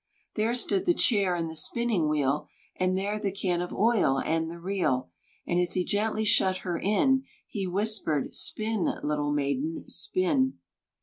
There stood the chair and the spinning wheel, And there the can of oil and the reel; And as he gently shut her in He whispered, "Spin, little maiden, spin."